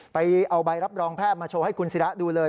ไปเอาใบรับรองแพทย์มาโชว์ให้คุณศิระดูเลย